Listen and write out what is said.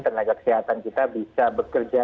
tenaga kesehatan kita bisa bekerja